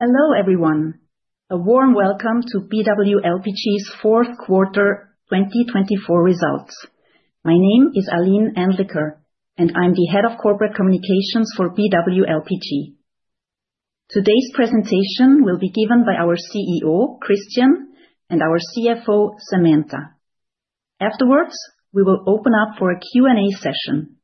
Hello everyone, a warm welcome to BW LPG's fourth quarter 2024 results. My name is Aline Anliker, and I'm the Head of Corporate Communications for BW LPG. Today's presentation will be given by our CEO, Kristian, and our CFO, Samantha. Afterwards, we will open up for a Q&A session.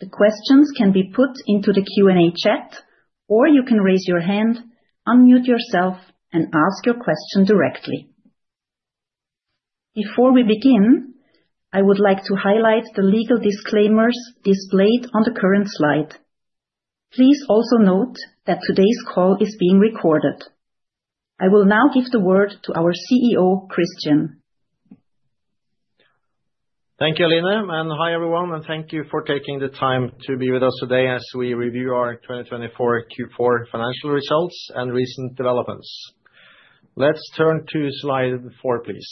The questions can be put into the Q&A chat, or you can raise your hand, unmute yourself, and ask your question directly. Before we begin, I would like to highlight the legal disclaimers displayed on the current slide. Please also note that today's call is being recorded. I will now give the word to our CEO, Kristian. Thank you, Aline, and hi everyone, and thank you for taking the time to be with us today as we review our 2024 Q4 financial results and recent developments. Let's turn to slide four, please.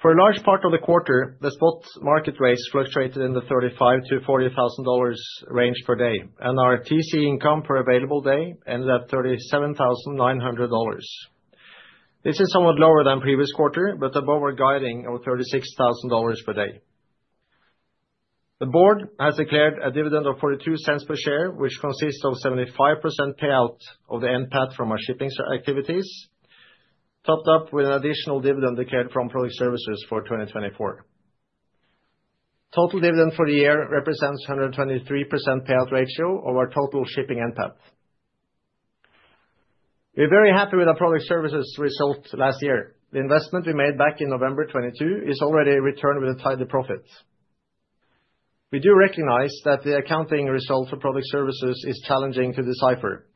For a large part of the quarter, the spot market rates fluctuated in the $35,000 to $40,000 range per day, and our TCE income per available day ended at $37,900. This is somewhat lower than previous quarter, but above our guidance of $36,000 per day. The board has declared a dividend of $0.42 per share, which consists of 75% payout of the NPAT from our shipping activities, topped up with an additional dividend declared from Product Services for 2024. Total dividend for the year represents a 123% payout ratio of our total shipping NPAT. We're very happy with our Product Services result last year. The investment we made back in November 2022 is already returned with a tidy profit. We do recognize that the accounting result for Product Services is challenging to decipher,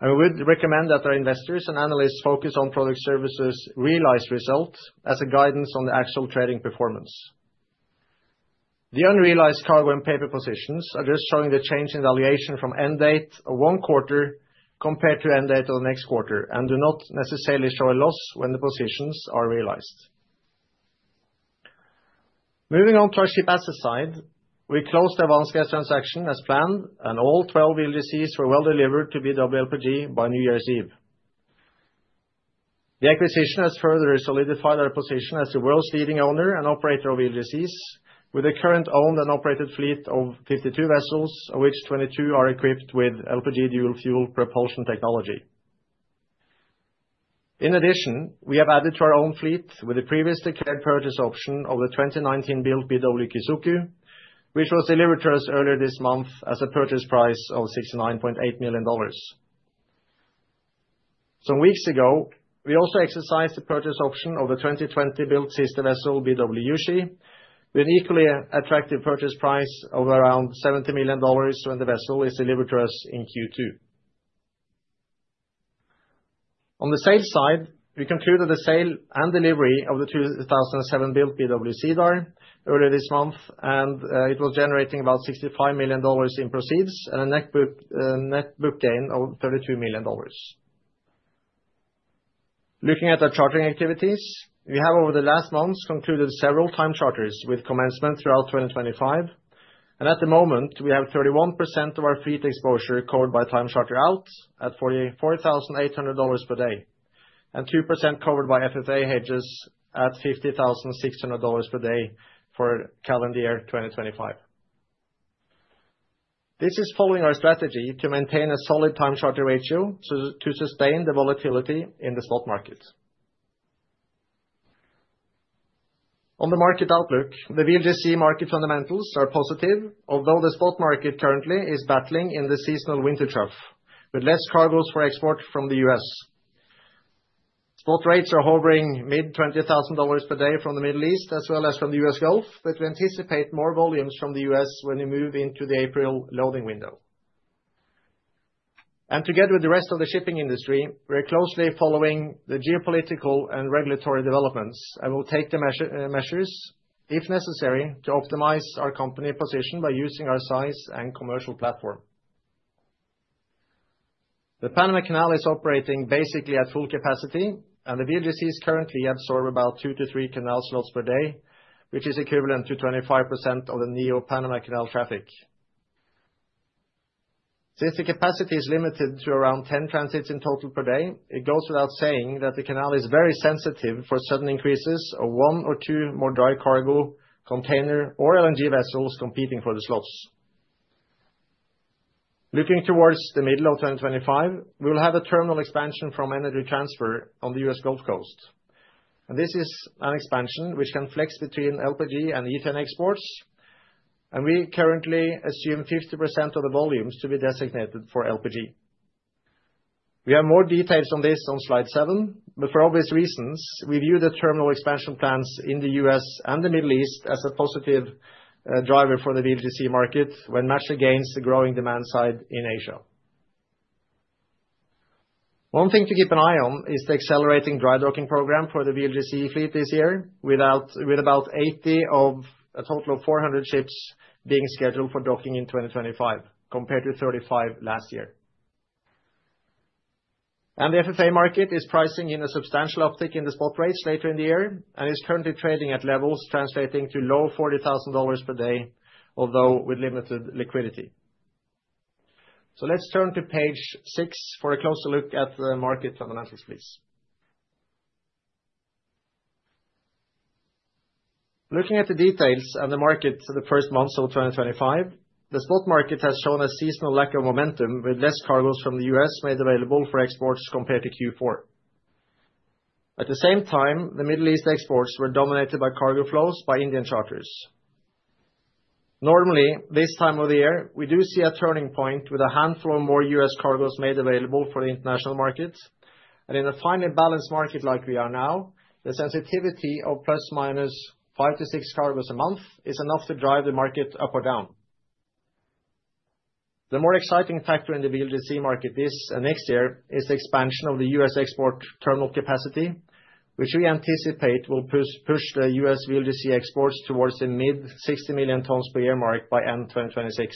and we would recommend that our investors and analysts focus on Product Services' realized result as a guidance on the actual trading performance. The unrealized cargo and paper positions are just showing the change in valuation from end date of one quarter compared to end date of the next quarter and do not necessarily show a loss when the positions are realized. Moving on to our ship asset side, we closed the Avance Gas transaction as planned, and all 12 VLGCs were well delivered to BW LPG by New Year's Eve. The acquisition has further solidified our position as the world's leading owner and operator of VLGC, with a current owned and operated fleet of 52 vessels, of which 22 are equipped with LPG dual fuel propulsion technology. In addition, we have added to our own fleet with the previously declared purchase option of the 2019-built BW Kizoku, which was delivered to us earlier this month at a purchase price of $69.8 million. Some weeks ago, we also exercised the purchase option of the 2020-built sister vessel BW Yushi, with an equally attractive purchase price of around $70 million when the vessel is delivered to us in Q2. On the sales side, we concluded the sale and delivery of the 2007-built BW Cedar earlier this month, and it was generating about $65 million in proceeds and a net book gain of $32 million. Looking at our chartering activities, we have over the last months concluded several time charters with commencement throughout 2025, and at the moment, we have 31% of our fleet exposure covered by time charter out at $44,800 per day and 2% covered by FFA hedges at $50,600 per day for calendar year 2025. This is following our strategy to maintain a solid time charter ratio to sustain the volatility in the spot market. On the market outlook, the VLGC market fundamentals are positive, although the spot market currently is battling in the seasonal winter trough with less cargoes for export from the U.S. Spot rates are hovering mid-$20,000 per day from the Middle East as well as from the U.S. Gulf, but we anticipate more volumes from the U.S when we move into the April loading window. Together with the rest of the shipping industry, we're closely following the geopolitical and regulatory developments and will take the measures, if necessary, to optimize our company position by using our size and commercial platform. The Panama Canal is operating basically at full capacity, and the VLGC currently absorbs about two to three canal slots per day, which is equivalent to 25% of the Neo-Panamax Canal traffic. Since the capacity is limited to around 10 transits in total per day, it goes without saying that the canal is very sensitive for sudden increases of one or two more dry cargo, container, or LNG vessels competing for the slots. Looking towards the middle of 2025, we will have a terminal expansion from Energy Transfer on the U.S. Gulf Coast, and this is an expansion which can flex between LPG and ethane exports, and we currently assume 50% of the volumes to be designated for LPG. We have more details on this on slide seven, but for obvious reasons, we view the terminal expansion plans in the U.S. and the Middle East as a positive driver for the VLGC market when matched against the growing demand side in Asia. One thing to keep an eye on is the accelerating dry docking program for the VLGC fleet this year, with about 80 of a total of 400 ships being scheduled for docking in 2025 compared to 35 last year. The FFA market is pricing in a substantial uptick in the spot rates later in the year and is currently trading at levels translating to low $40,000 per day, although with limited liquidity. Let's turn to page six for a closer look at the market fundamentals, please. Looking at the details and the market for the first months of 2025, the spot market has shown a seasonal lack of momentum with less cargoes from the U.S. made available for exports compared to Q4. At the same time, the Middle East exports were dominated by cargo flows by Indian charterers. Normally, this time of the year, we do see a turning point with a handful of more U.S. cargoes made available for the international market, and in a finely balanced market like we are now, the sensitivity of plus/minus five to six cargoes a month is enough to drive the market up or down. The more exciting factor in the VLGC market this and next year is the expansion of the U.S. export terminal capacity, which we anticipate will push the U.S. VLGC exports towards the mid-60 million tons per year mark by end 2026.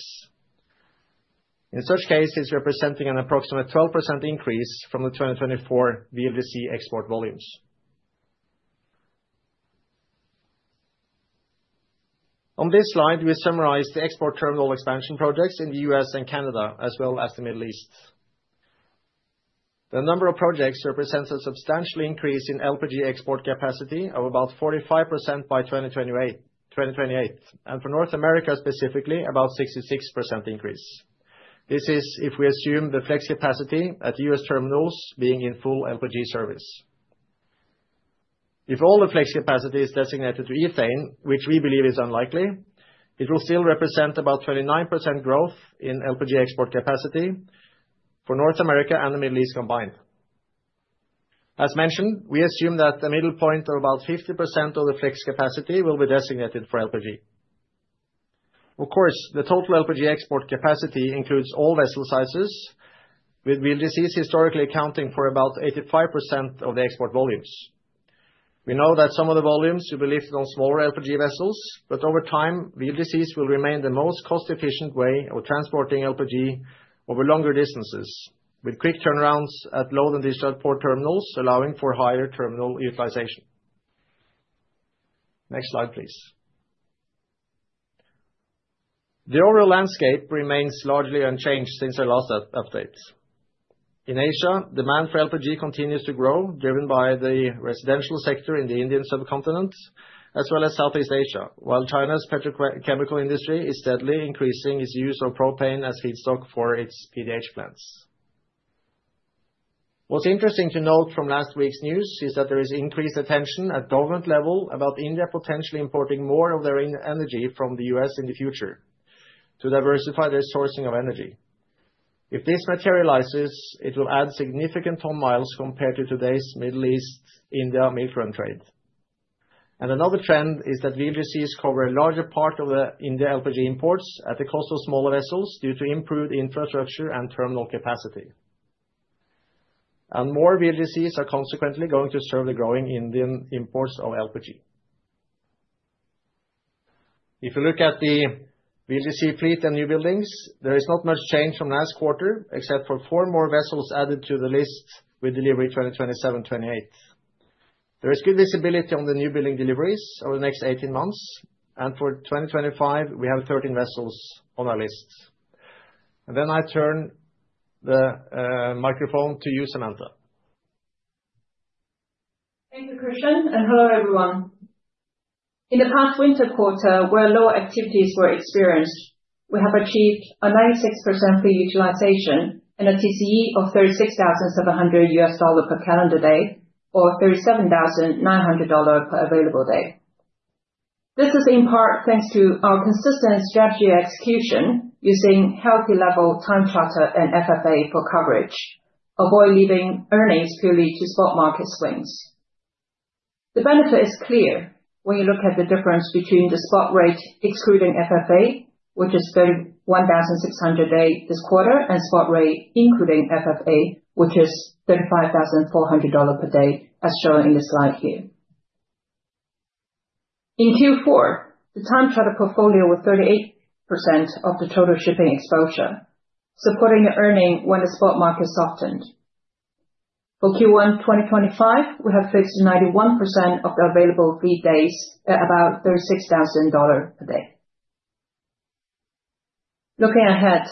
In such cases, we're presenting an approximate 12% increase from the 2024 VLGC export volumes. On this slide, we summarize the export terminal expansion projects in the U.S. and Canada, as well as the Middle East. The number of projects represents a substantial increase in LPG export capacity of about 45% by 2028, and for North America specifically, about 66% increase. This is if we assume the flex capacity at U.S. terminals being in full LPG service. If all the flex capacity is designated to Ethane, which we believe is unlikely, it will still represent about 29% growth in LPG export capacity for North America and the Middle East combined. As mentioned, we assume that the middle point of about 50% of the flex capacity will be designated for LPG. Of course, the total LPG export capacity includes all vessel sizes, with VLGC historically accounting for about 85% of the export volumes. We know that some of the volumes will be lifted on smaller LPG vessels, but over time, VLGC will remain the most cost-efficient way of transporting LPG over longer distances, with quick turnarounds at load and discharge port terminals allowing for higher terminal utilization. Next slide, please. The overall landscape remains largely unchanged since our last update. In Asia, demand for LPG continues to grow, driven by the residential sector in the Indian subcontinent as well as Southeast Asia, while China's petrochemical industry is steadily increasing its use of propane as feedstock for its PDH plants. What's interesting to note from last week's news is that there is increased attention at government level about India potentially importing more of their energy from the U.S. in the future to diversify their sourcing of energy. If this materializes, it will add significant ton miles compared to today's Middle East-India milk run trade. And another trend is that VLGC covers a larger part of the India LPG imports at the cost of smaller vessels due to improved infrastructure and terminal capacity. And more VLGC are consequently going to serve the growing Indian imports of LPG. If you look at the VLGC fleet and new buildings, there is not much change from last quarter, except for four more vessels added to the list with delivery 2027-2028. There is good visibility on the new building deliveries over the next 18 months, and for 2025, we have 13 vessels on our list. And then I turn the microphone to you, Samantha. Thank you, Kristian, and hello everyone. In the past winter quarter, where lower activities were experienced, we have achieved a 96% free utilization and a TCE of $36,700 per calendar day, or $37,900 per available day. This is in part thanks to our consistent strategy execution using healthy level time charter and FFA for coverage, avoiding leaving earnings purely to spot market swings. The benefit is clear when you look at the difference between the spot rate excluding FFA, which is $31,600 this quarter, and spot rate including FFA, which is $35,400 per day, as shown in the slide here. In Q4, the time charter portfolio was 38% of the total shipping exposure, supporting the earning when the spot market softened. For Q1 2025, we have fixed 91% of the available fleet days at about $36,000 per day. Looking ahead,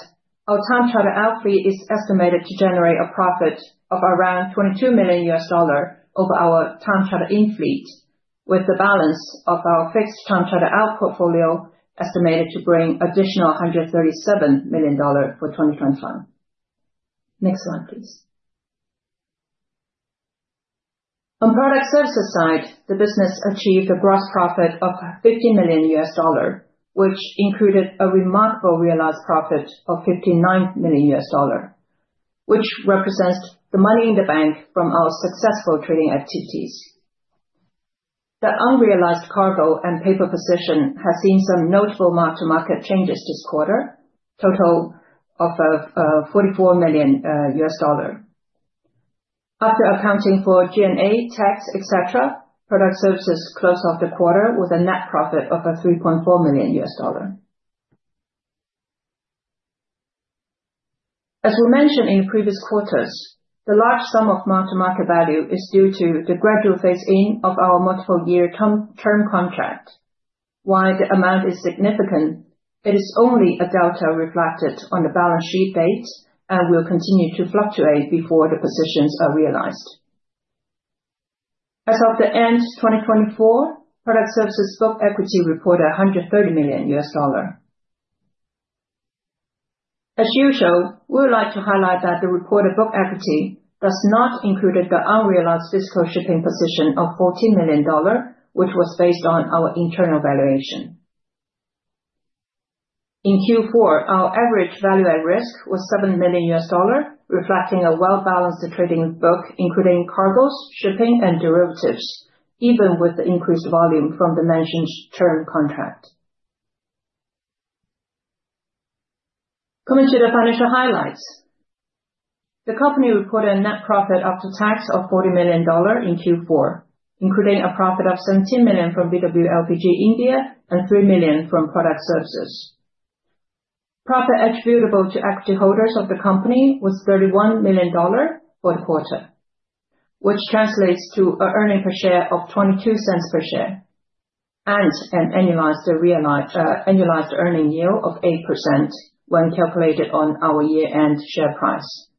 our time charter out fleet is estimated to generate a profit of around $22 million over our time charter in fleet, with the balance of our fixed time charter out portfolio estimated to bring additional $137 million for 2025. Next slide, please. On Product Services side, the business achieved a gross profit of $50 million, which included a remarkable realized profit of $59 million, which represents the money in the bank from our successful trading activities. The unrealized cargo and paper position has seen some notable mark-to-market changes this quarter, total of $44 million. After accounting for G&A, tax, etc., Product Services closed off the quarter with a net profit of $3.4 million. As we mentioned in previous quarters, the large sum of mark-to-market value is due to the gradual phase-in of our multiple-year term contract. While the amount is significant, it is only a delta reflected on the balance sheet date and will continue to fluctuate before the positions are realized. As of the end of 2024, Product Services book equity reported $130 million. As usual, we would like to highlight that the reported book equity does not include the unrealized vessel shipping position of $14 million, which was based on our internal valuation. In Q4, our average value at risk was $7 million, reflecting a well-balanced trading book including cargoes, shipping, and derivatives, even with the increased volume from the mentioned term contract. Coming to the financial highlights, the company reported a net profit after tax of $40 million in Q4, including a profit of $17 million from BW LPG India and $3 million from Product Services. Profit attributable to equity holders of the company was $31 million for the quarter, which translates to an earnings per share of $0.22 per share and an annualized earnings yield of 8% when calculated on our year-end share price.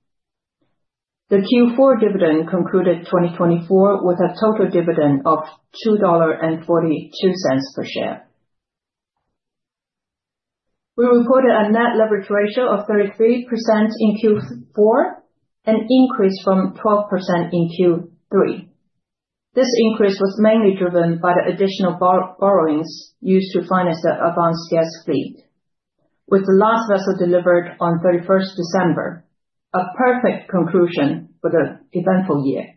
The Q4 dividend concluded 2024 with a total dividend of $2.42 per share. We reported a net leverage ratio of 33% in Q4, an increase from 12% in Q3. This increase was mainly driven by the additional borrowings used to finance the Avance Gas fleet, with the last vessel delivered on 31st December, a perfect conclusion for the eventful year.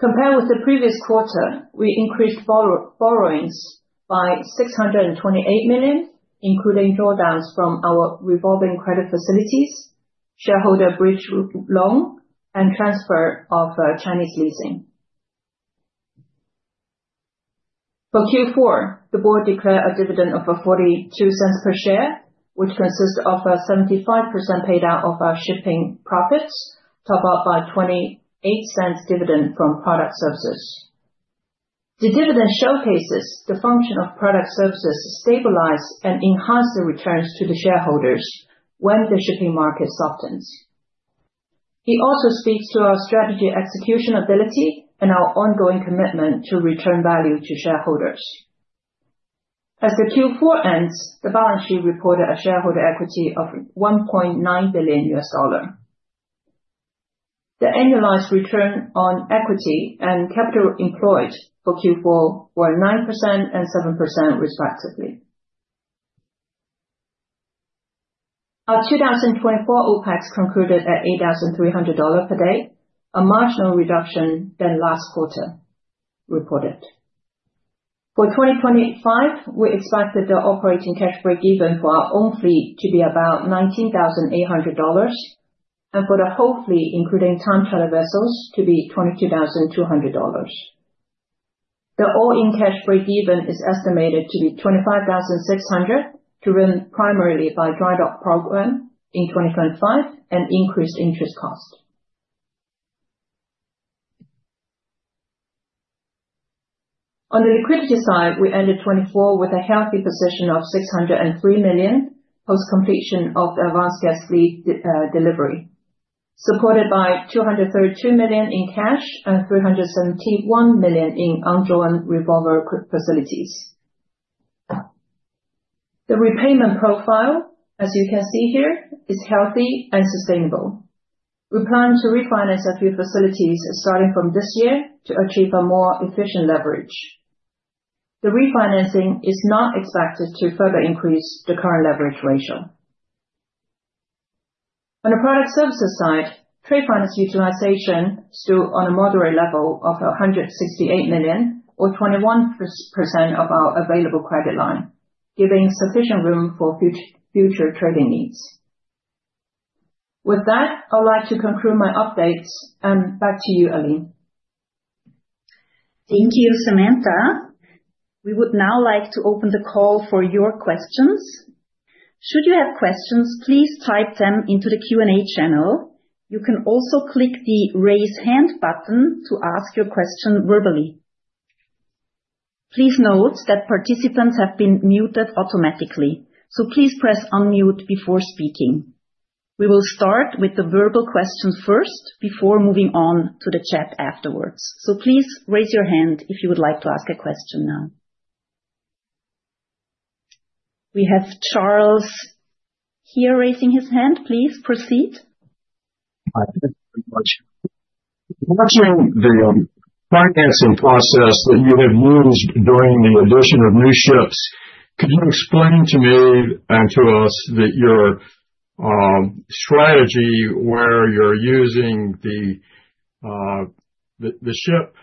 Compared with the previous quarter, we increased borrowings by $628 million, including drawdowns from our revolving credit facilities, shareholder bridge loan, and transfer of Chinese leasing. For Q4, the board declared a dividend of $0.42 per share, which consists of a 75% payout of our shipping profits, topped up by $0.28 dividend from Product Services. The dividend showcases the function of Product Services to stabilize and enhance the returns to the shareholders when the shipping market softens. It also speaks to our strategy execution ability and our ongoing commitment to return value to shareholders. As the Q4 ends, the balance sheet reported a shareholder equity of $1.9 billion. The annualized return on equity and capital employed for Q4 were 9% and 7%, respectively. Our 2024 OPEX concluded at $8,300 per day, a marginal reduction than last quarter reported. For 2025, we expected the operating cash break-even for our own fleet to be about $19,800, and for the whole fleet, including time charter vessels, to be $22,200. The all-in cash break-even is estimated to be $25,600, driven primarily by dry dock program in 2025 and increased interest cost. On the liquidity side, we ended 2024 with a healthy position of $603 million post-completion of the Avance Gas fleet delivery, supported by $232 million in cash and $371 million in ongoing revolver facilities. The repayment profile, as you can see here, is healthy and sustainable. We plan to refinance a few facilities starting from this year to achieve a more efficient leverage. The refinancing is not expected to further increase the current leverage ratio. On the Product Services side, trade finance utilization is still on a moderate level of $168 million, or 21% of our available credit line, giving sufficient room for future trading needs. With that, I would like to conclude my updates, and back to you, Aline. Thank you, Samantha. We would now like to open the call for your questions. Should you have questions, please type them into the Q&A channel. You can also click the raise hand button to ask your question verbally. Please note that participants have been muted automatically, so please press unmute before speaking. We will start with the verbal questions first before moving on to the chat afterwards. So please raise your hand if you would like to ask a question now. We have Charles here raising his hand. Please proceed. Hi. Thank you very much. Watching the financing process that you have used during the addition of new ships, could you explain to me and to us that your strategy, where you're using the ship,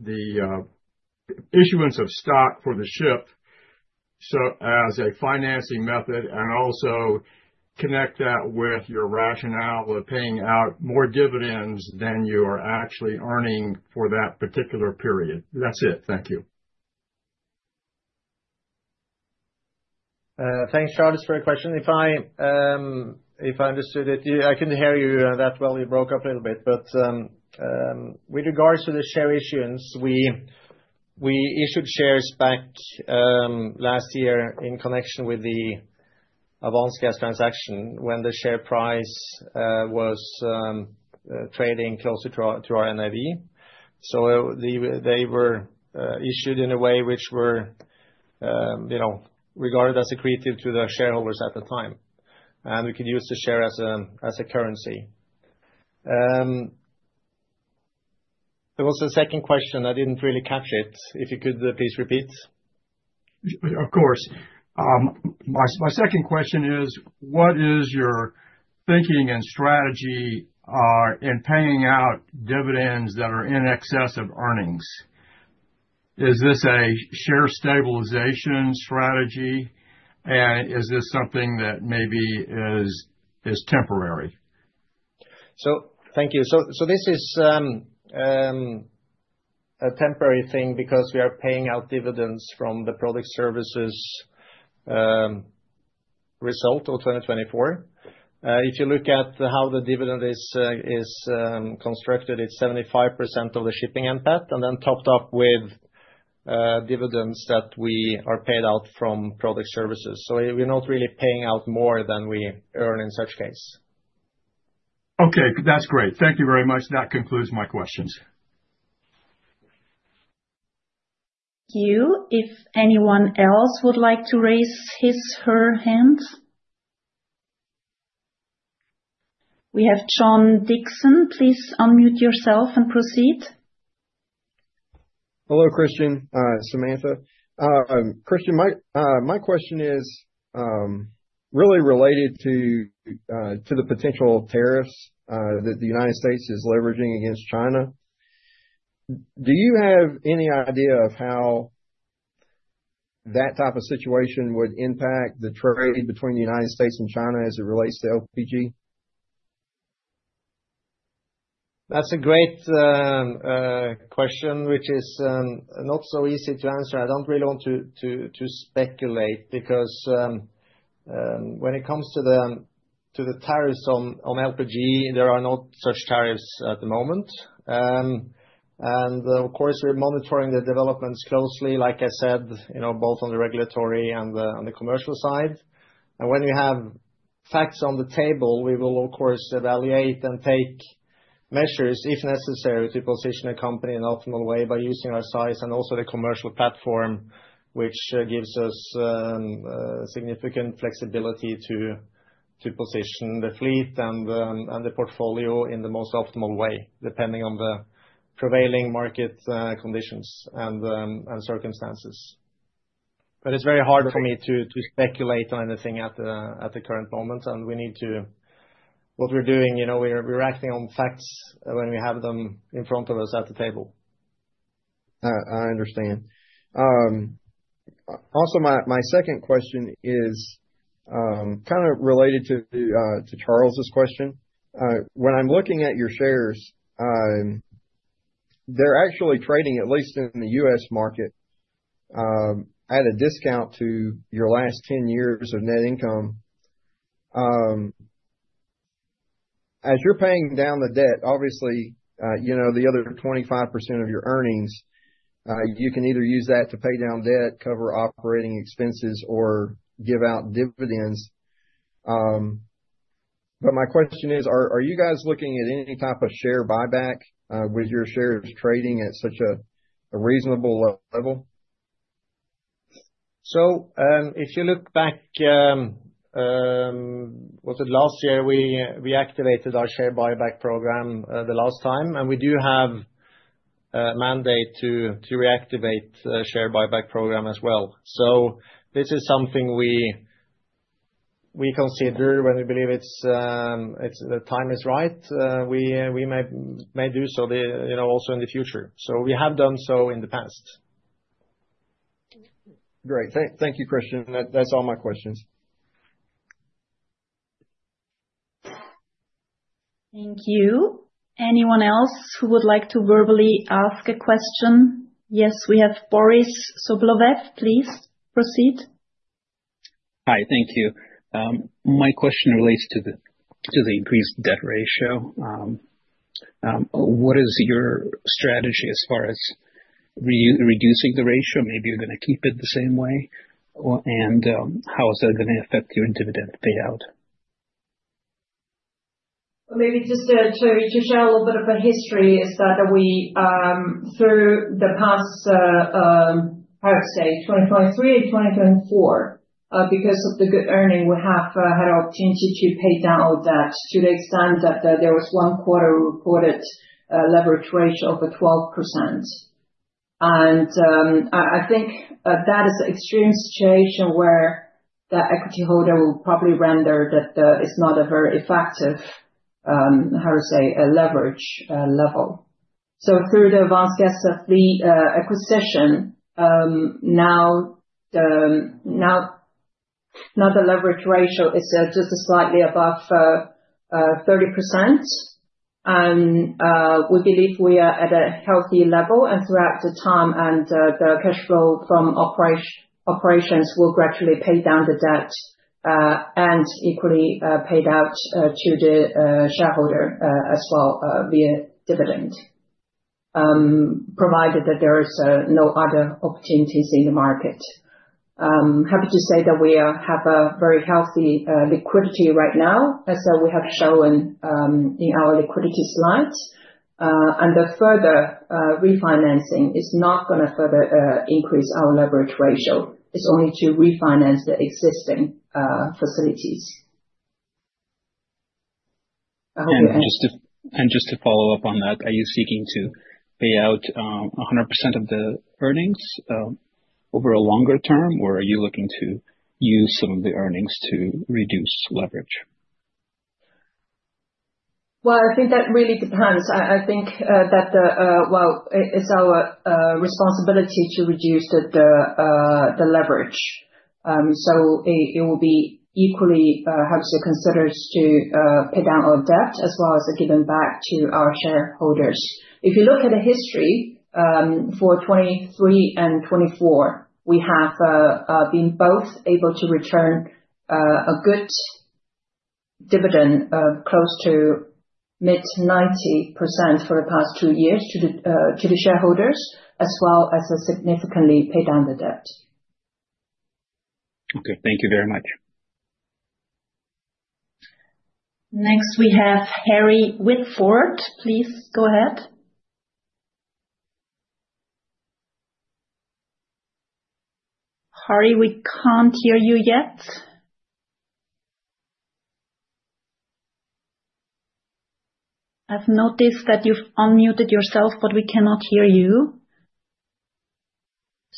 the issuance of stock for the ship as a financing method, and also connect that with your rationale of paying out more dividends than you are actually earning for that particular period? That's it. Thank you. Thanks, Charles. For a question, if I understood it, I couldn't hear you that well. You broke up a little bit. But with regards to the share issuance, we issued shares back last year in connection with the Avance Gas transaction when the share price was trading closer to our NAV. So they were issued in a way which were regarded as accretive to the shareholders at the time, and we could use the share as a currency. There was a second question. I didn't really catch it. If you could please repeat. Of course. My second question is, what is your thinking and strategy in paying out dividends that are in excess of earnings? Is this a share stabilization strategy, and is this something that maybe is temporary? So thank you. So this is a temporary thing because we are paying out dividends from the Product Services result of 2024. If you look at how the dividend is constructed, it's 75% of the shipping NPAT, and then topped up with dividends that we are paid out from Product Services. So we're not really paying out more than we earn in such case. Okay. That's great. Thank you very much. That concludes my questions. Thank you. If anyone else would like to raise his or her hand? We have John Dixon. Please unmute yourself and proceed. Hello, Kristian, Samantha. Kristian, my question is really related to the potential tariffs that the United States is leveraging against China. Do you have any idea of how that type of situation would impact the trade between the United States and China as it relates to LPG? That's a great question, which is not so easy to answer. I don't really want to speculate because when it comes to the tariffs on LPG, there are no such tariffs at the moment, and of course, we're monitoring the developments closely, like I said, both on the regulatory and the commercial side, and when we have facts on the table, we will, of course, evaluate and take measures, if necessary, to position a company in an optimal way by using our size and also the commercial platform, which gives us significant flexibility to position the fleet and the portfolio in the most optimal way, depending on the prevailing market conditions and circumstances, but it's very hard for me to speculate on anything at the current moment, and we need to see what we're doing, we're acting on facts when we have them in front of us at the table. I understand. Also, my second question is kind of related to Charles' question. When I'm looking at your shares, they're actually trading, at least in the U.S. market, at a discount to your last 10 years of net income. As you're paying down the debt, obviously, the other 25% of your earnings, you can either use that to pay down debt, cover operating expenses, or give out dividends. But my question is, are you guys looking at any type of share buyback with your shares trading at such a reasonable level? So if you look back, was it last year we activated our share buyback program the last time? And we do have a mandate to reactivate the share buyback program as well. So this is something we consider when we believe the time is right. We may do so also in the future. So we have done so in the past. Great. Thank you, Kristian. That's all my questions. Thank you. Anyone else who would like to verbally ask a question? Yes, we have Boris Sobolev. Please proceed. Hi. Thank you. My question relates to the increased debt ratio. What is your strategy as far as reducing the ratio? Maybe you're going to keep it the same way, and how is that going to affect your dividend payout? Maybe just to share a little bit of a history is that through the past, I would say, 2023 and 2024, because of the good earnings, we have had an opportunity to pay down all debt to the extent that there was one quarter reported leverage ratio of 12%. And I think that is an extreme situation where the equity holder will probably render that it's not a very effective, how to say, leverage level. So through the Avance Gas fleet acquisition, now the leverage ratio is just slightly above 30%. And we believe we are at a healthy level. And throughout the time, the cash flow from operations will gradually pay down the debt and equally pay it out to the shareholder as well via dividend, provided that there are no other opportunities in the market. Happy to say that we have a very healthy liquidity right now, as we have shown in our liquidity slides. The further refinancing is not going to further increase our leverage ratio. It's only to refinance the existing facilities. And just to follow up on that, are you seeking to pay out 100% of the earnings over a longer term, or are you looking to use some of the earnings to reduce leverage? I think that really depends. I think that, well, it's our responsibility to reduce the leverage. It will be equally, how to say, considered to pay down our debt as well as given back to our shareholders. If you look at the history for 2023 and 2024, we have been both able to return a good dividend of close to mid-90% for the past two years to the shareholders, as well as significantly pay down the debt. Okay. Thank you very much. Next, we have Harry Whitford. Please go ahead. Harry, we can't hear you yet. I've noticed that you've unmuted yourself, but we cannot hear you.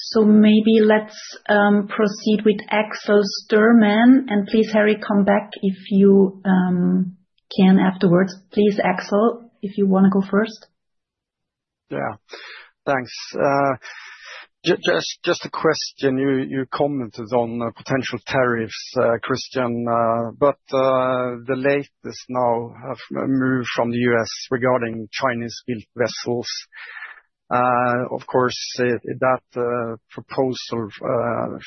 So maybe let's proceed with Axel Styrman. And please, Harry, come back if you can afterwards. Please, Axel, if you want to go first. Yeah. Thanks. Just a question. You commented on potential tariffs, Kristian, but the latest now have moved from the U.S. regarding Chinese-built vessels. Of course, that proposal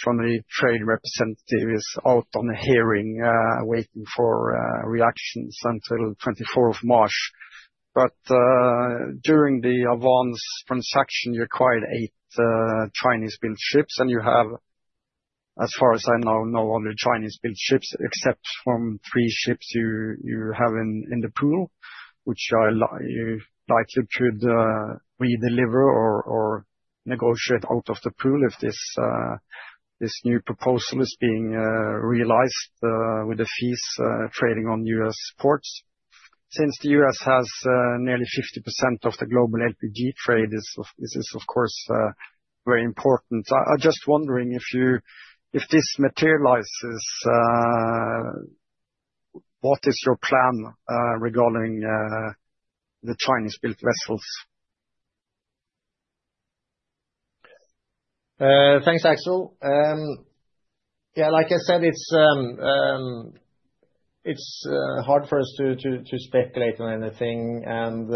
from the trade representative is out on a hearing, waiting for reactions until the 24th of March. But during the Avance transaction, you acquired eight Chinese-built ships, and you have, as far as I know, no other Chinese-built ships, except from three ships you have in the pool, which you likely could redeliver or negotiate out of the pool if this new proposal is being realized with the fees trading on U.S. ports. Since the U.S. has nearly 50% of the global LPG trade, this is, of course, very important. I'm just wondering if this materializes, what is your plan regarding the Chinese-built vessels? Thanks, Axel. Yeah, like I said, it's hard for us to speculate on anything. And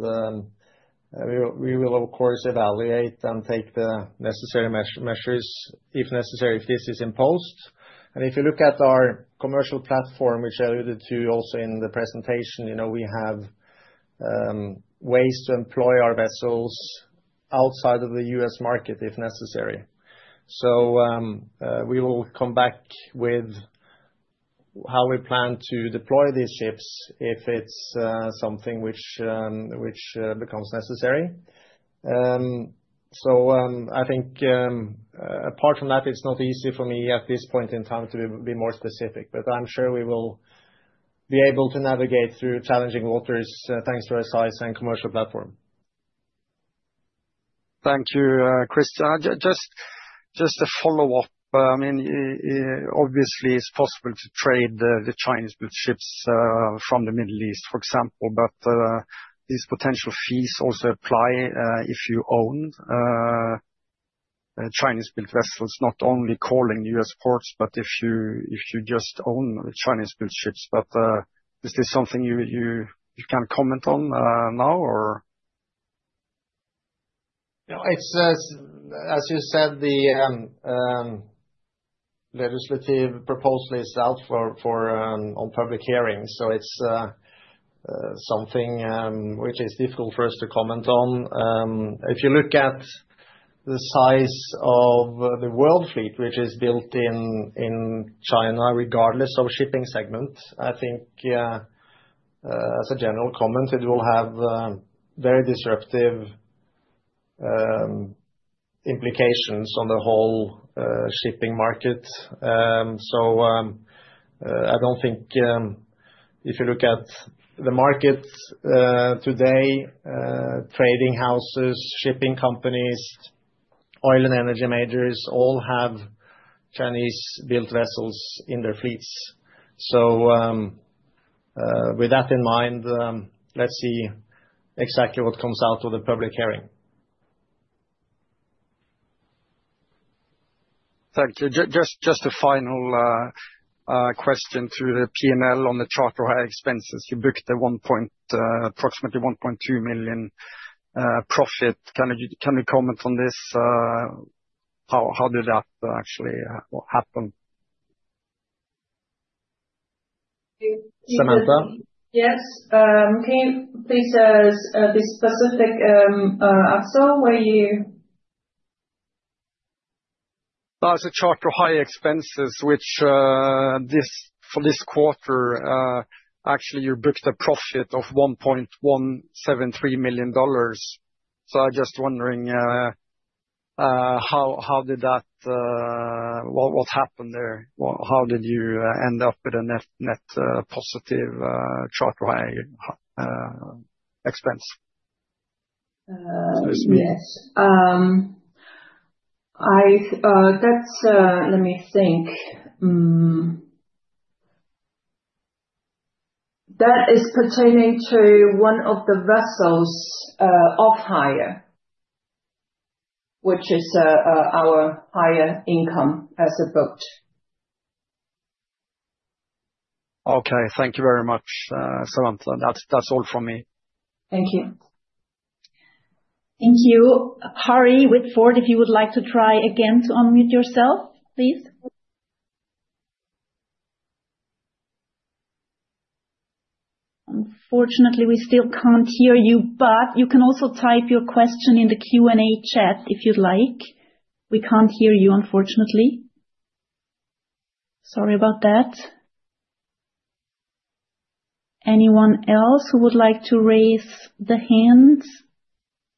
we will, of course, evaluate and take the necessary measures, if necessary, if this is imposed. And if you look at our commercial platform, which I alluded to also in the presentation, we have ways to employ our vessels outside of the U.S. market, if necessary. So we will come back with how we plan to deploy these ships if it's something which becomes necessary. So I think apart from that, it's not easy for me at this point in time to be more specific, but I'm sure we will be able to navigate through challenging waters thanks to our size and commercial platform. Thank you, Kristian. Just a follow-up. I mean, obviously, it's possible to trade the Chinese-built ships from the Middle East, for example, but these potential fees also apply if you own Chinese-built vessels, not only calling U.S. ports, but if you just own the Chinese-built ships. But is this something you can comment on now, or? As you said, the legislative proposal is out on public hearings, so it's something which is difficult for us to comment on. If you look at the size of the world fleet, which is built in China, regardless of shipping segment, I think, as a general comment, it will have very disruptive implications on the whole shipping market, so I don't think if you look at the market today, trading houses, shipping companies, oil and energy majors all have Chinese-built vessels in their fleets, so with that in mind, let's see exactly what comes out of the public hearing. Thank you. Just a final question to the P&L on the charter expenses. You booked approximately $1.2 million profit. Can you comment on this? How did that actually happen? Samantha? Yes. Can you please be specific, Axel? Where are you? That's charter hire expenses, which for this quarter, actually, you booked a profit of $1.173 million. So I'm just wondering, how did that, what happened there? How did you end up with a net positive charter hire expense? Yes. Let me think. That is pertaining to one of the vessels off-hire, which is our higher income as a boat. Okay. Thank you very much, Samantha. That's all from me. Thank you. Thank you. Harry Whitford, if you would like to try again to unmute yourself, please. Unfortunately, we still can't hear you, but you can also type your question in the Q&A chat if you'd like. We can't hear you, unfortunately. Sorry about that. Anyone else who would like to raise the hand?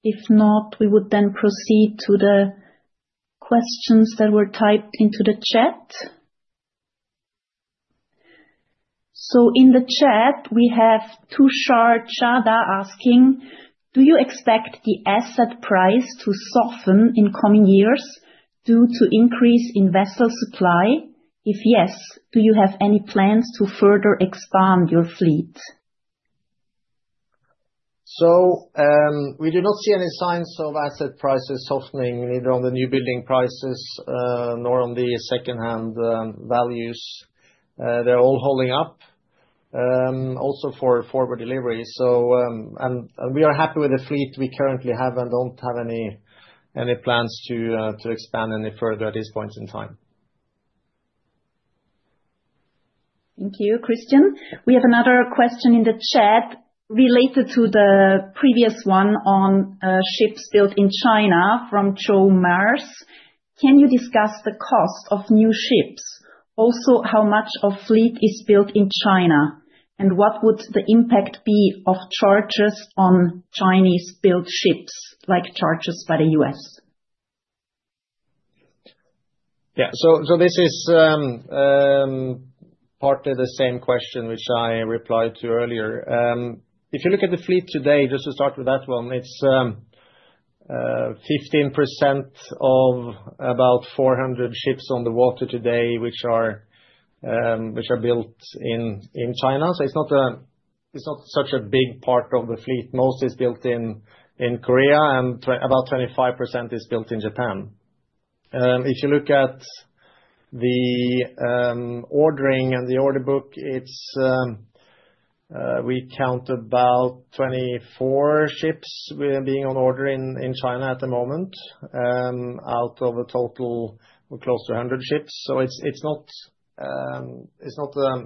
If not, we would then proceed to the questions that were typed into the chat. So in the chat, we have Tushar Chadha asking, "Do you expect the asset price to soften in coming years due to increase in vessel supply? If yes, do you have any plans to further expand your fleet? We do not see any signs of asset prices softening, neither on the new building prices nor on the secondhand values. They're all holding up, also for forward delivery. We are happy with the fleet we currently have and don't have any plans to expand any further at this point in time. Thank you, Kristian. We have another question in the chat related to the previous one on ships built in China from Joe Mars. "Can you discuss the cost of new ships? Also, how much of fleet is built in China? And what would the impact be of charges on Chinese-built ships, like charges by the U.S? Yeah. So this is partly the same question which I replied to earlier. If you look at the fleet today, just to start with that one, it's 15% of about 400 ships on the water today, which are built in China. So it's not such a big part of the fleet. Most is built in Korea, and about 25% is built in Japan. If you look at the ordering and the order book, we count about 24 ships being on order in China at the moment out of a total of close to 100 ships. So it's not a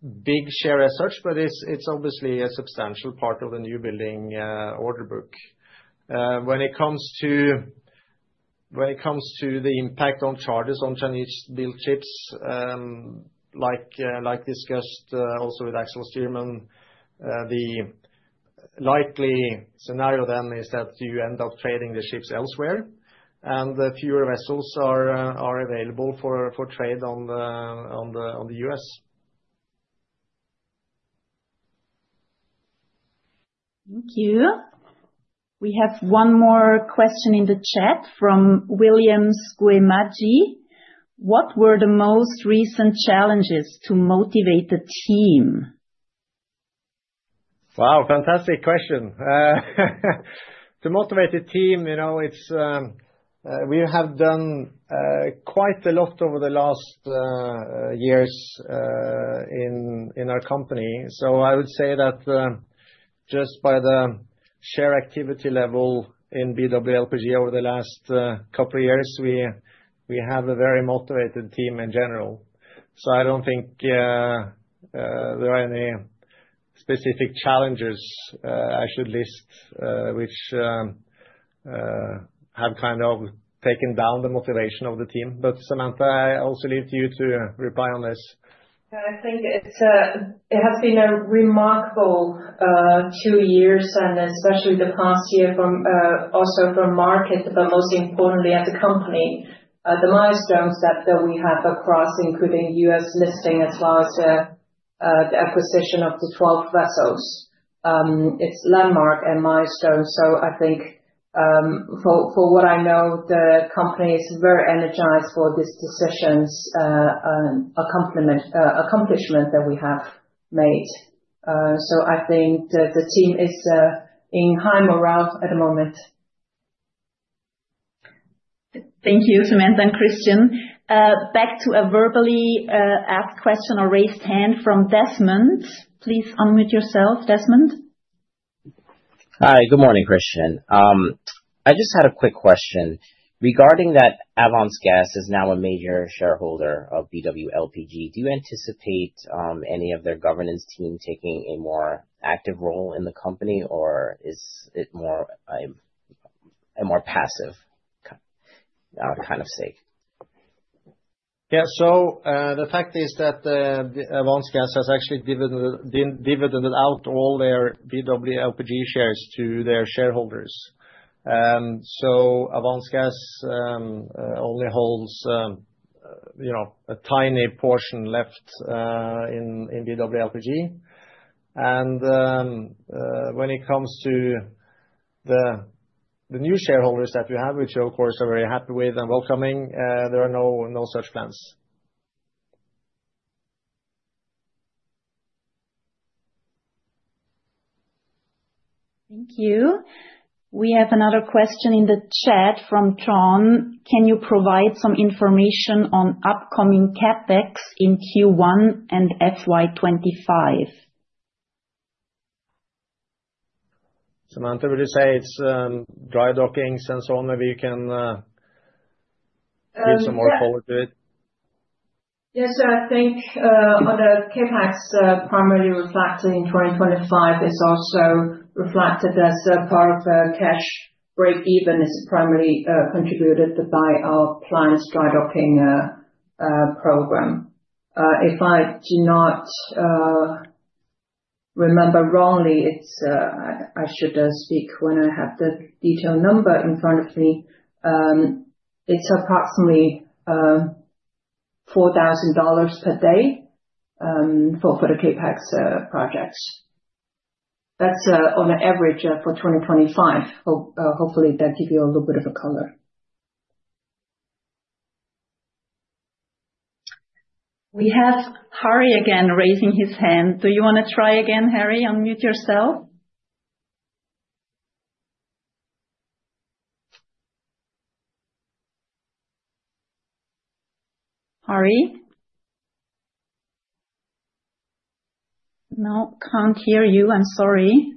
big share as such, but it's obviously a substantial part of the new building order book. When it comes to the impact on charges on Chinese-built ships, like discussed also with Axel Styrman, the likely scenario then is that you end up trading the ships elsewhere, and fewer vessels are available for trade on the U.S. Thank you. We have one more question in the chat from William Scemama. "What were the most recent challenges to motivate the team? Wow, fantastic question. To motivate the team, we have done quite a lot over the last years in our company. So I would say that just by the sheer activity level in BW LPG over the last couple of years, we have a very motivated team in general. So I don't think there are any specific challenges I should list which have kind of taken down the motivation of the team. But Samantha, I also leave it to you to reply on this. Yeah. I think it has been a remarkable two years, and especially the past year also for market, but most importantly as a company, the milestones that we have across, including U.S. listing as well as the acquisition of the 12 vessels. It's landmark and milestones. So I think for what I know, the company is very energized for these decisions, accomplishments that we have made. So I think the team is in high morale at the moment. Thank you, Samantha and Kristian. Back to a verbally asked question or raised hand from Desmond. Please unmute yourself, Desmond. Hi. Good morning, Kristian. I just had a quick question. Regarding that Avance Gas is now a major shareholder of BW LPG, do you anticipate any of their governance team taking a more active role in the company, or is it more a passive kind of stake? Yeah. So the fact is that Avance Gas has actually dividended out all their BW LPG shares to their shareholders. So Avance Gas only holds a tiny portion left in BW LPG. And when it comes to the new shareholders that we have, which, of course, are very happy with and welcoming, there are no such plans. Thank you. We have another question in the chat from John. "Can you provide some information on upcoming CapEx in Q1 and FY25? Samantha, would you say it's dry dockings and so on, maybe you can give some more follow-up to it? Yes. I think on the CapEx primarily reflected in 2025 is also reflected as part of a cash break-even is primarily contributed by our class dry docking program. If I do not remember wrongly, I should speak when I have the detailed number in front of me. It's approximately $4,000 per day for the CapEx projects. That's on average for 2025. Hopefully, that gives you a little bit of a color. We have Harry again raising his hand. Do you want to try again, Harry? Unmute yourself. Harry? No, can't hear you. I'm sorry.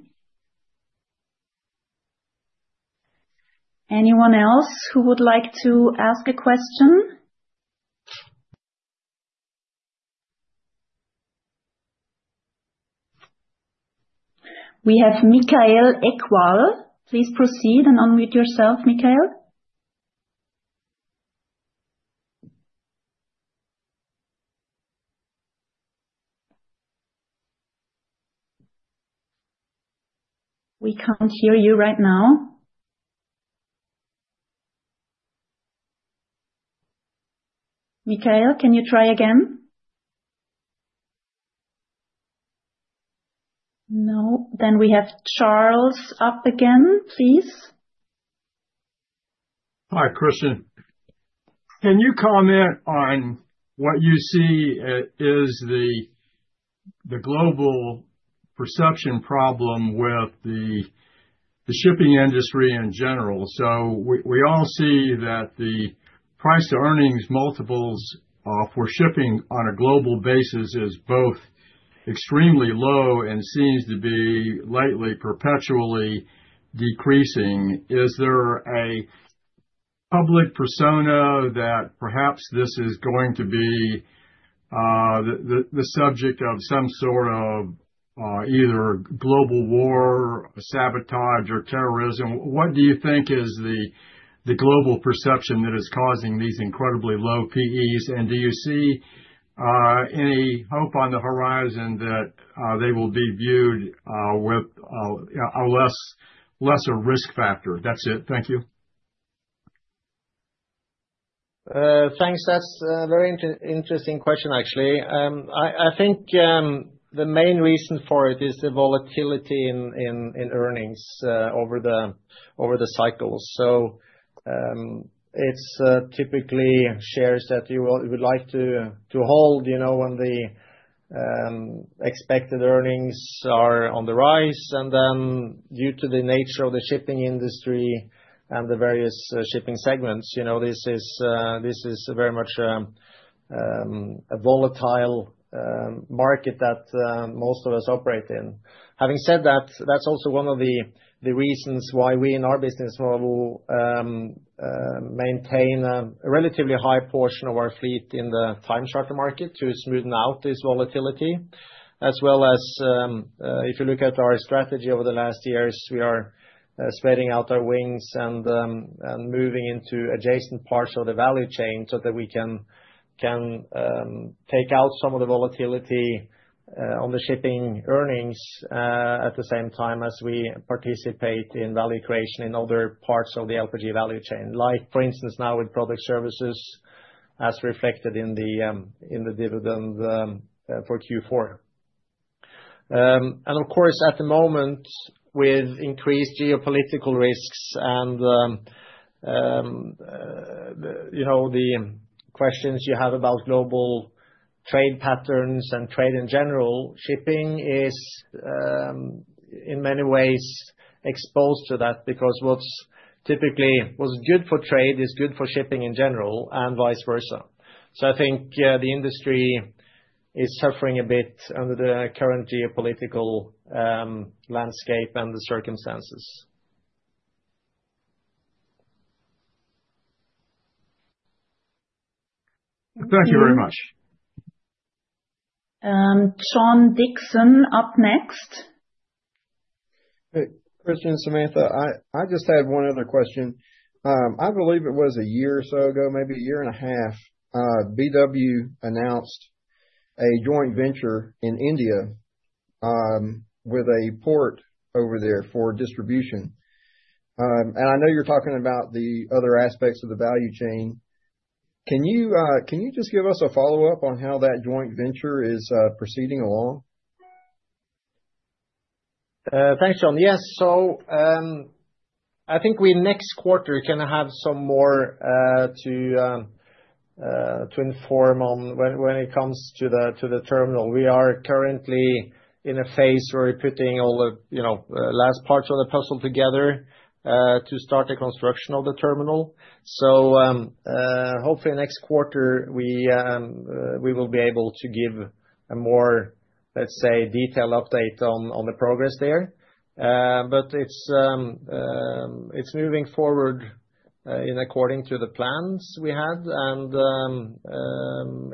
Anyone else who would like to ask a question? We have Mikael Ekwall. Please proceed and unmute yourself, Mikael. We can't hear you right now. Mikael, can you try again? No, then we have Charles up again, please. Hi, Kristian. Can you comment on what you see is the global perception problem with the shipping industry in general? So we all see that the price-to-earnings multiples for shipping on a global basis is both extremely low and seems to be lately perpetually decreasing. Is there a public persona that perhaps this is going to be the subject of some sort of either global war, sabotage, or terrorism? What do you think is the global perception that is causing these incredibly low PEs? And do you see any hope on the horizon that they will be viewed with a lesser risk factor? That's it. Thank you. Thanks. That's a very interesting question, actually. I think the main reason for it is the volatility in earnings over the cycles. So it's typically shares that you would like to hold when the expected earnings are on the rise. And then due to the nature of the shipping industry and the various shipping segments, this is very much a volatile market that most of us operate in. Having said that, that's also one of the reasons why we in our business model maintain a relatively high portion of our fleet in the time charter market to smoothen out this volatility. As well as if you look at our strategy over the last years, we are spreading out our wings and moving into adjacent parts of the value chain so that we can take out some of the volatility on the shipping earnings at the same time as we participate in value creation in other parts of the LPG value chain, like for instance, now with product services as reflected in the dividend for Q4, and of course, at the moment, with increased geopolitical risks and the questions you have about global trade patterns and trade in general, shipping is in many ways exposed to that because what's typically good for trade is good for shipping in general and vice versa, so I think the industry is suffering a bit under the current geopolitical landscape and the circumstances. Thank you very much. John Dixon up next. Hey, Kristian, Samantha, I just had one other question. I believe it was a year or so ago, maybe a year and a half, BW announced a joint venture in India with a port over there for distribution. And I know you're talking about the other aspects of the value chain. Can you just give us a follow-up on how that joint venture is proceeding along? Thanks, John. Yes. So, I think next quarter we can have some more to inform on when it comes to the terminal. We are currently in a phase where we're putting all the last parts of the puzzle together to start the construction of the terminal. So hopefully next quarter, we will be able to give a more, let's say, detailed update on the progress there. But it's moving forward in accordance with the plans we had, and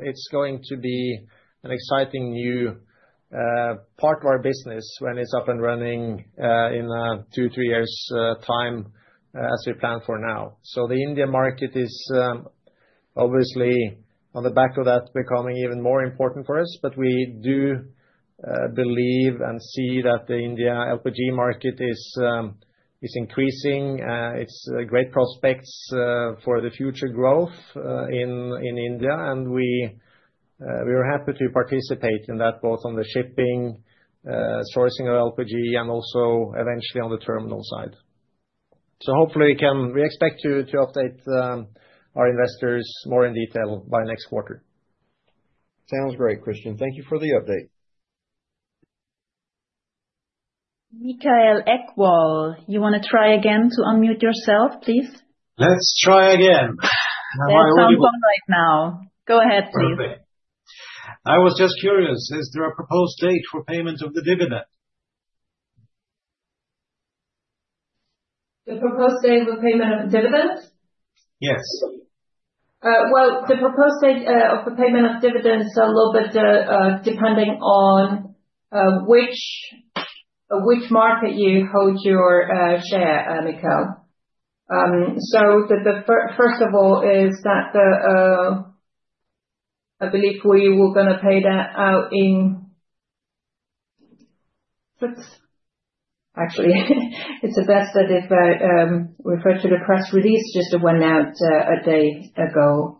it's going to be an exciting new part of our business when it's up and running in two, three years' time as we plan for now. So the India market is obviously on the back of that becoming even more important for us. But we do believe and see that the India LPG market is increasing. It's great prospects for the future growth in India. And we are happy to participate in that both on the shipping, sourcing of LPG, and also eventually on the terminal side. So hopefully we expect to update our investors more in detail by next quarter. Sounds great, Kristian. Thank you for the update. Mikael Ekwall, you want to try again to unmute yourself, please? Let's try again. You're still on right now. Go ahead, please. Okay. I was just curious, is there a proposed date for payment of the dividend? The proposed date for payment of dividends? Yes. The proposed date of payment of dividends is a little bit depending on which market you hold your share, Mikael. First of all, I believe we were going to pay that out in six. Actually, it's best if I refer to the press release that just went out a day ago.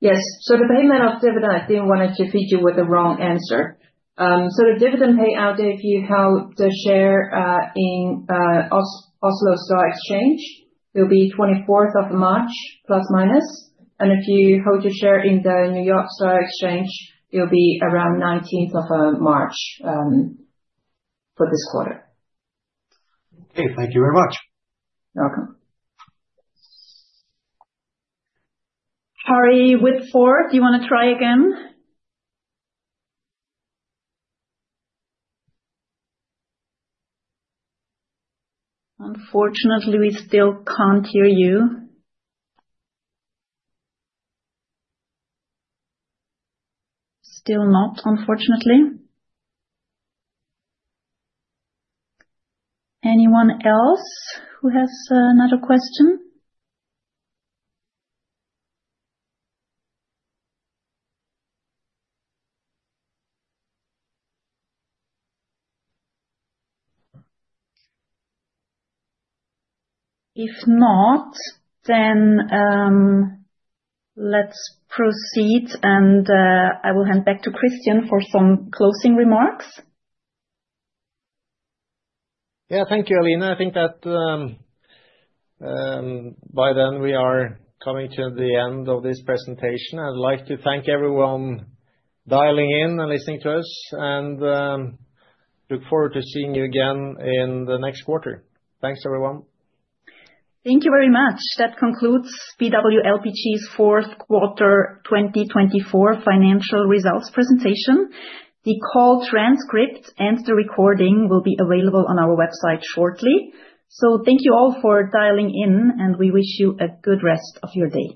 Yes. The payment of dividend, I didn't want to feed you with the wrong answer. The dividend payout, if you hold the share in Oslo Stock Exchange, it'll be 24th of March, plus minus. If you hold your share in the New York Stock Exchange, it'll be around 19th of March for this quarter. Okay. Thank you very much. You're welcome. Harry Whitford, you want to try again? Unfortunately, we still can't hear you. Still not, unfortunately. Anyone else who has another question? If not, then let's proceed, and I will hand back to Kristian for some closing remarks. Yeah. Thank you, Aline. I think that by then we are coming to the end of this presentation. I'd like to thank everyone dialing in and listening to us, and look forward to seeing you again in the next quarter. Thanks, everyone. Thank you very much. That concludes BW LPG's fourth quarter 2024 financial results presentation. The call transcript and the recording will be available on our website shortly. So thank you all for dialing in, and we wish you a good rest of your day.